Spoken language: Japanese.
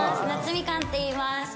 なつみかんっていいます。